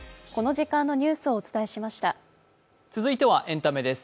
続いてはエンタメです。